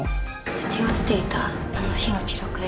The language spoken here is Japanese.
抜け落ちていたあの日の記録です。